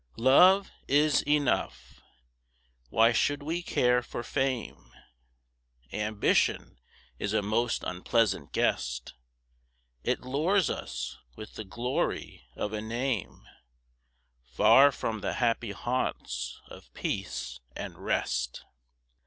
Love is enough. Why should we care for fame? Ambition is a most unpleasant guest: It lures us with the glory of a name Far from the happy haunts of peace and rest.